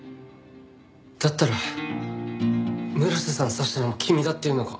だったら村瀬さん刺したのも君だっていうのか？